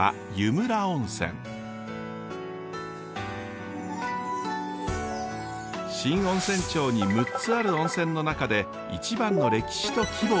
新温泉町に６つある温泉の中で一番の歴史と規模を誇ります。